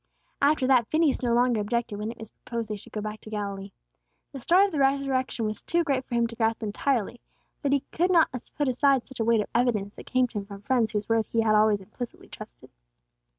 After that, Phineas no longer objected when it was proposed that they should go back to Galilee. The story of the resurrection was too great for him to grasp entirely, still he could not put aside such a weight of evidence that came to him from friends whose word he had always implicitly trusted.